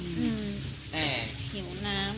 เดี๋ยวพิมพ์ก่อนเดี๋ยวจะต้องกัด